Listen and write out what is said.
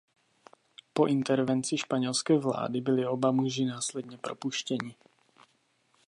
Po intervenci španělské vlády byli oba muži následně propuštěni.